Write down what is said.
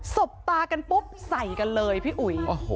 บตากันปุ๊บใส่กันเลยพี่อุ๋ย